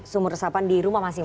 sumur resapan di rumah masing masing